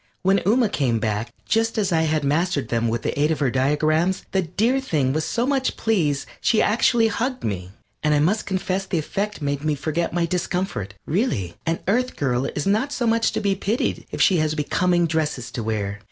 When Ooma came back, just as I had mastered them with the aid of her diagrams, the dear thing was so much pleased she actually hugged me, and I must confess the effect made me forget my discomfort. Really, an Earth girl is not so much to be pitied if she has becoming dresses to wear.